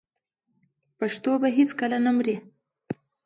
پښتو به هیڅکله نه مري.